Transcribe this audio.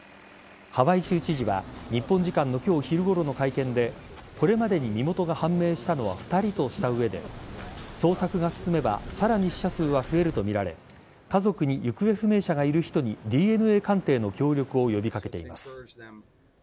ハワイ州知事は日本時間の今日昼ごろの会見でこれまでに身元が判明したのは２人とした上で捜索が進めばさらに死者数は増えるとみられ家族に行方不明者がいる人にＤＮＡ鑑定の協力を呼び掛けています。